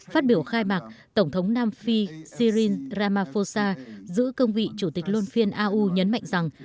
phát biểu khai mạc tổng thống nam phi sirin ramaphosa giữ công vị chủ tịch luân phiên au nhấn mạnh rằng